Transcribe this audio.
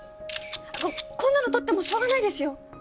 こんなの撮ってもしょうがないですよ。